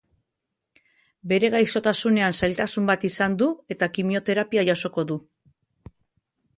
Bere gaixotasunean zailtasun bat izan du eta kimioterapia jasoko du.